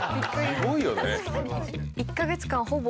すごいよね。